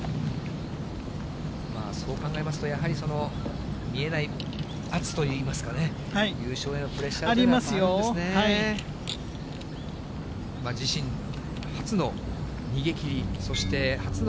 そう考えますと、やはり見えない圧といいますかね、優勝へのプレッシャーというのがありますね。ありますよ。